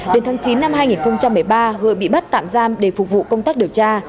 đến tháng chín năm hai nghìn một mươi ba hợi bị bắt tạm giam để phục vụ công tác điều tra